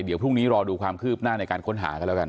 เดี๋ยวพรุ่งนี้รอดูความคืบหน้าในการค้นหากันแล้วกัน